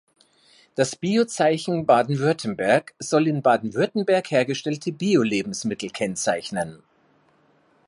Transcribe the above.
Das Bio-Zeichen Baden-Württemberg soll in Baden-Württemberg hergestellte Bio-Lebensmittel kennzeichnen.